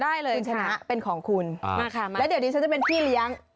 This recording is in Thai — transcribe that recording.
ได้เลยกลาเป็นของคุณมาขามาแล้วเดี๋ยวดีใช่มันพี่เลี้ยง